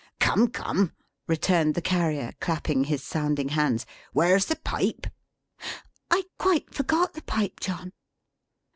"Come, come!" returned the Carrier, clapping his sounding hands. "Where's the Pipe?" "I quite forgot the pipe, John."